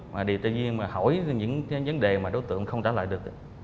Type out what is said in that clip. chị tự nhiên mà hỏi những vấn đề mà đối tượng không trả lại được